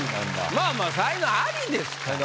まあまあ才能アリですから。